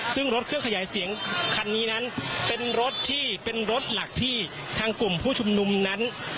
ซึ่งรถเครื่องขยายเสียงคันนี้นั้นเป็นรถที่เป็นรถหลักที่ทางกลุ่มผู้ชุมนุมนั้น